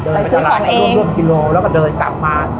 เดินไปตลาดกับร่วมกิโลกรัมแล้วก็เดินกลับมา